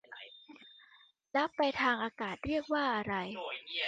แล้วไปทางอากาศเรียกว่าอะไร